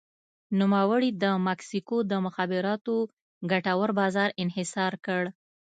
نوموړي د مکسیکو د مخابراتو ګټور بازار انحصار کړ.